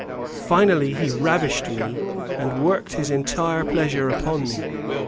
Finally, he ravished me, and worked his entire pleasure upon me.